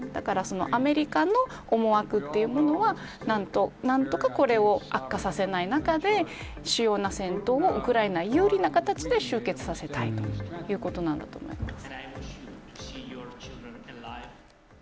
アメリカの思惑というものは何とかこれを悪化させない中で主要な戦闘をウクライナが有利な形で終結させたいということだと思います。